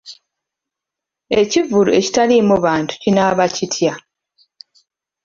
Ekivvulu ekitaliimu bantu kinaaba kitya?